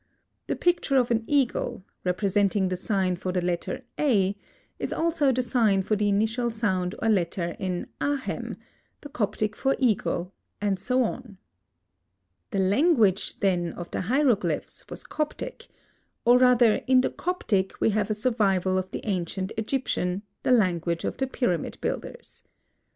The picture of an eagle, representing the sign for the letter A, is also the sign for the initial sound or letter in Ahem, the Coptic for eagle, and so on. The language, then, of the Hieroglyphs was Coptic, or rather in the Coptic we have a survival of the ancient Egyptian, the language of the pyramid builders.